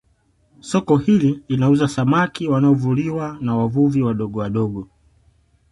Soko hili linauza samaki wanaovuliwa na wavuvi wadogo wadogo